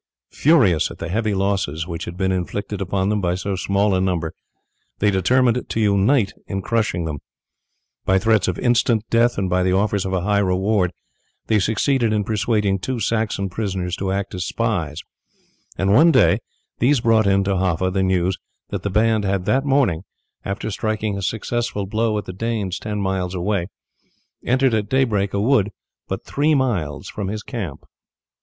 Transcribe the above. Furious at the heavy losses which had been inflicted upon them by so small a number, they determined to unite in crushing them. By threats of instant death, and by the offers of a high reward, they succeeded in persuading two Saxon prisoners to act as spies, and one day these brought in to Haffa the news that the band had that morning, after striking a successful blow at the Danes ten miles away, entered at daybreak a wood but three miles from his camp.